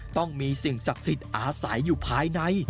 ต้องมีสิ่งศักดิ์สิทธิ์อาศัยอยู่ภายใน